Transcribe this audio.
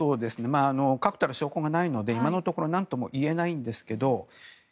確たる証拠がないので今のところ何とも言えないんですけど。